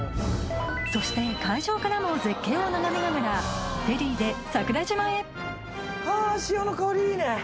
そして海上からも絶景を眺めながらフェリーで桜島へ潮の香りいいね！